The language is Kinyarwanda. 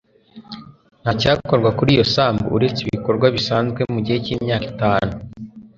ntacyakorwa kuri iyo sambu uretse ibikorwa bisanzwe mu gihe cy'imyaka itanu